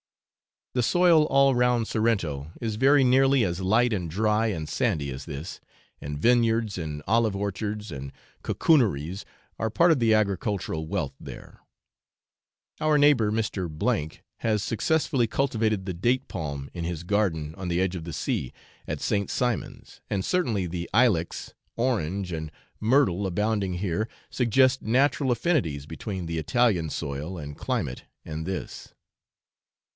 The soil all round Sorrento is very nearly as light and dry and sandy as this, and vineyards and olive orchards and cocooneries are part of the agricultural wealth there. Our neighbour Mr. C has successfully cultivated the date palm in his garden on the edge of the sea, at St. Simon's, and certainly the ilex, orange, and myrtle abounding here suggest natural affinities between the Italian soil and climate and this.